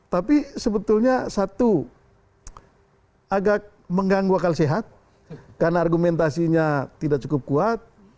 tapi sebetulnya satu agak mengganggu akal sehat karena argumentasinya tidak cukup kuat